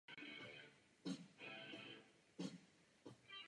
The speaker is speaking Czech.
Žena je budoucností muže, napsal Louis Aragon.